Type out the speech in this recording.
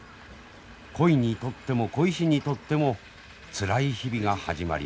鯉にとっても鯉師にとってもつらい日々が始まります。